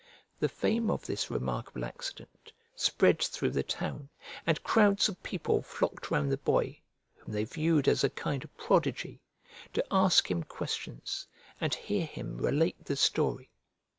The fame of this remarkable accident spread through the town, and crowds of people flocked round the boy (whom they viewed as a kind of prodigy) to ask him questions and hear him relate the story.